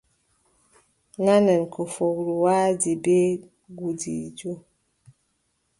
Nanen ko fowru waadi bee gudiijo.